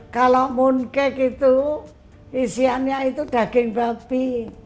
kalau munkik itu isiannya itu daging bapi